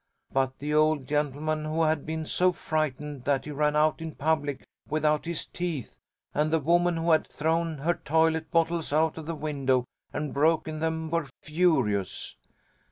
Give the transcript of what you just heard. But the old gentleman who had been so frightened that he ran out in public without his teeth, and the woman who had thrown her toilet bottles out of the window and broken them, were furious.